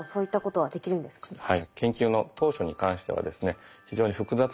はい。